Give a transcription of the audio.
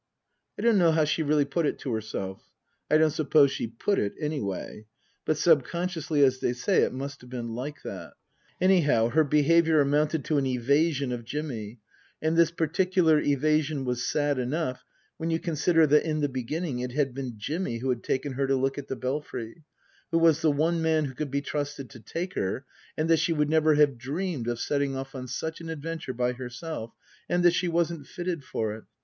I don't know how she really put it to herself ; I don't suppose she " put " it any way ; but subconsciously, as they say, it must have been like that. Anyhow, her behaviour amounted to an evasion of Jimmy, and this particular evasion was sad enough when you consider th'at in the beginning it had been Jimmy who had taken her to look at the Belfry who was the one man who could be trusted to take her, and that she would never have dreamed of setting off on such an adventure by herself, and that she wasn't fitted for it.